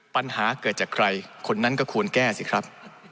ปัญหาเกิดจากใครคนนั้นก็ควรแก้สิครับ